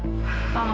ya biar bagaimanapun